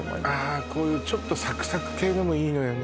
あこういうちょっとサクサク系のもいいのよね